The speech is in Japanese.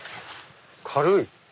軽い。